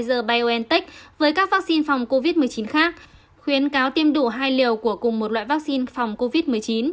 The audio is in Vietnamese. các vắc xin phòng covid một mươi chín khác khuyến cáo tiêm đủ hai liều của cùng một loại vaccine phòng covid một mươi chín